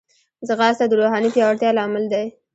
ځغاسته د روحاني پیاوړتیا لامل دی